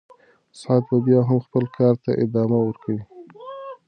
ساعت به بیا هم خپل کار ته ادامه ورکوي.